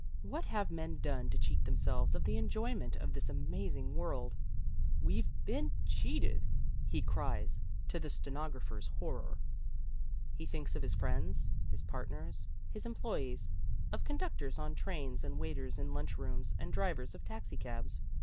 What have men done to cheat themselves of the enjoyment of this amazing world? "We've been cheated!" he cries, to the stenographer's horror. He thinks of his friends, his partners, his employees, of conductors on trains and waiters in lunchrooms and drivers of taxicabs.